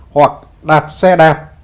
hoặc đạp xe đạp